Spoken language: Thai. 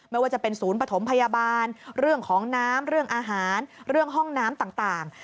ไม่ว่าจะเป็นศูนย์ปฐมพยาบาลเรื่องของน้ำเรื่องอาหารเรื่องห้องน้ำต่าง